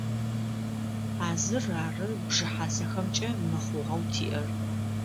А зыр ары бжыхьасэхэмкӏэ мыхъугъэу тиӏэр.